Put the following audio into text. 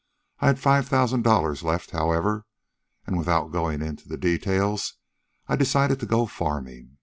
I had five thousand dollars left, however, and, without going into the details, I decided to go farming.